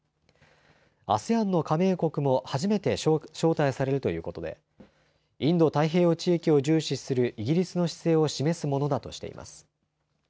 ＡＳＥＡＮの加盟国も初めて招待されるということでインド太平洋地域を重視するイギリスの姿勢を示すものだとしています。